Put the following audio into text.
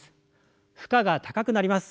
負荷が高くなります。